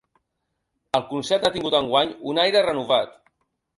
El concert ha tingut enguany un aire renovat.